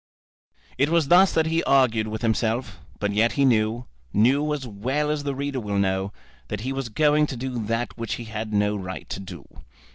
It was thus that he argued with himself; but yet he knew, knew as well as the reader will know, that he was going to do that which he had no right to do.